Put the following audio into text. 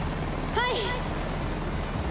はい。